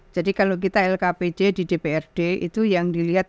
jadi kalau kita lkpj di dprd itu yang dilihat